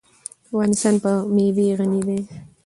افغانستان په مېوې غني دی.